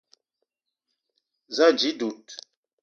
Za ànji dud